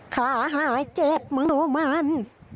ขาหายเจ็บมโนมัน